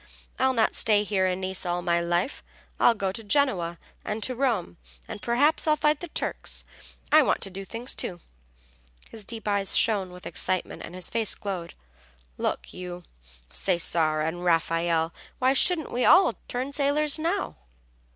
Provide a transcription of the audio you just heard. "I'll not stay here in Nice all my life; I'll go to Genoa and to Rome, and perhaps I'll fight the Turks. I want to do things, too." His deep eyes shone with excitement and his face glowed. "Look you, Cesare and Raffaelle, why shouldn't we turn sailors now?"